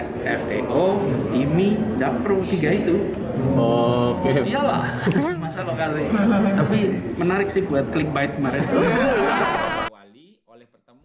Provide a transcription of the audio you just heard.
tapi menarik sih buat klik bait